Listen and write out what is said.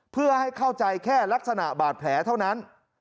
เพื่อให้เข้าใจแค่ลักษณะบาดแผลเท่านั้น